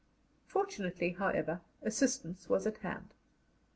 Fortunately, however, assistance was at hand.